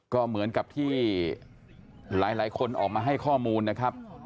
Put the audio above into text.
ก็เหมือนกับที่หลายคนออกมาให้ข้อมูลนะครับ